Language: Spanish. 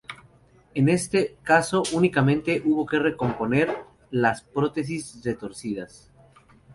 En este caso, únicamente hubo que recomponer las prótesis retorcidas.